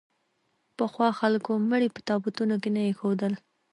پخوا خلکو مړي په تابوتونو کې نه اېښودل.